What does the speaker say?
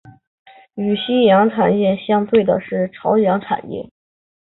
与夕阳产业相对的是朝阳产业。